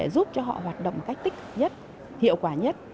giúp cho họ hoạt động cách tích nhất hiệu quả nhất